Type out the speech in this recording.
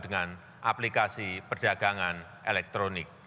dengan aplikasi perdagangan elektronik